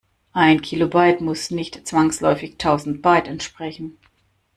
Ein Kilobyte muss nicht zwangsläufig tausend Byte entsprechen.